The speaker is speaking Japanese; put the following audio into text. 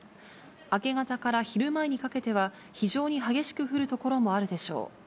明け方から昼前にかけては、非常に激しく降る所もあるでしょう。